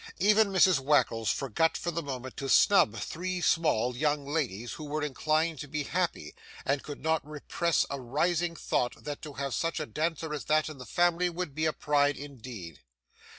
Even Mrs Wackles forgot for the moment to snub three small young ladies who were inclined to be happy, and could not repress a rising thought that to have such a dancer as that in the family would be a pride indeed.